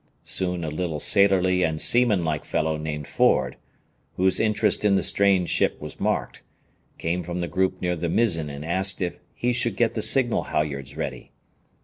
Soon a little sailorly and seaman like fellow named Ford, whose interest in the strange ship was marked, came from the group near the mizzen and asked if he should get the signal halyards ready.